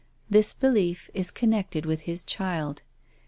This belief is connected with his child.